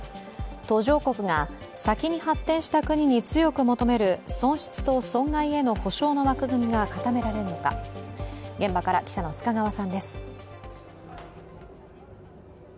途上国が先に発展した国に強く求める損失と損害への補償の枠組みが固められるのか、現場から記者の須賀川さんです。